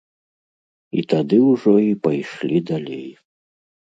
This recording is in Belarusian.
І тады ўжо і пайшлі далей.